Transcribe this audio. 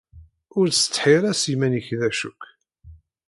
Ur ttsetḥi ara s yiman-ik d acu-k.